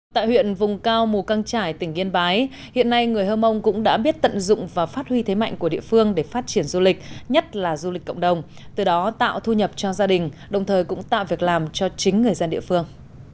tại huyện vùng cao mù căng trải tỉnh yên bái hiện nay người hơ mông cũng đã biết tận dụng và phát huy thế mạnh của địa phương để phát triển du lịch nhất là du lịch cộng đồng từ đó tạo thu nhập cho gia đình đồng thời cũng tạo việc làm cho chính người dân địa phương